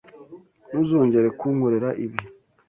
Ntuzongere kunkorera ibi.